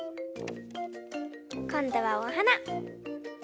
こんどはおはな。